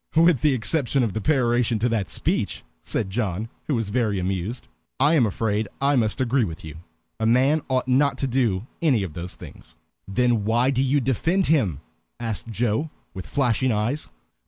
"With the exception of the peroration to that speech," said John, who was very much amused, "I am afraid I must agree with you. A man certainly ought not to do any of those things." "Then why do you defend him?" asked Joe, with flashing eyes.